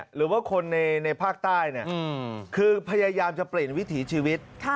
หรือว่าคนในภาคใต้คือพยายามจะเปลี่ยนวิถีชีวิต